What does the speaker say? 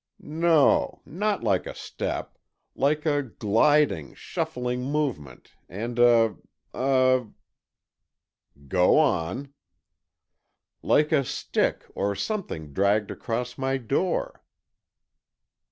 "No, not like a step—like a gliding, shuffling movement and a—a——" "Go on." "Like a stick or something dragged across my door."